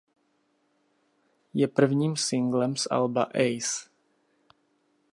Je prvním singlem z alba Ace.